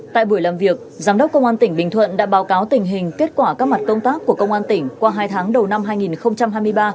tại buổi làm việc giám đốc công an tỉnh bình thuận đã báo cáo tình hình kết quả các mặt công tác của công an tỉnh qua hai tháng đầu năm hai nghìn hai mươi ba